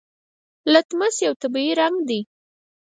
لتمس یو طبیعي رنګ دی.